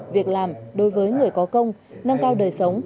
việc làm đối với người có công nâng cao đời sống